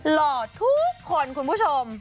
หล่อทุกคนคุณผู้ชม